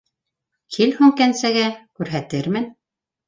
Кил һуң кәнсәгә, күрһәтермен...